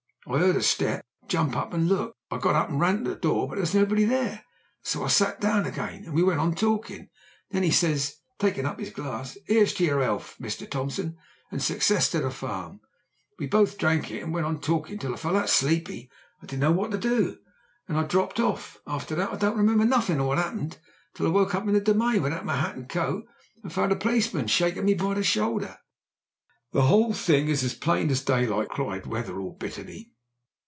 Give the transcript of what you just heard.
I 'eard a step. Jump up and look.' I got up and ran to the door, but there was nobody there, so I sat down again and we went on talking. Then he says, takin' up his glass: ''Ere's to your 'ealth, Mr. Thompson, and success to the farm.' We both drank it an' went on talkin' till I felt that sleepy I didn't know what to do. Then I dropped off, an' after that I don't remember nothin' of what 'appened till I woke up in the Domain, without my hat and coat, and found a policeman shakin' me by the shoulder." "The whole thing is as plain as daylight," cried Wetherell bitterly.